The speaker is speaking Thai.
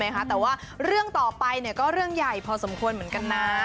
แต่ว่าเรื่องต่อไปก็เรื่องใหญ่พอสมควรเหมือนกันนะ